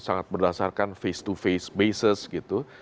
sangat berdasarkan face to face base gitu